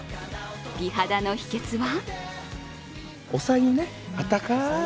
美肌の秘けつは？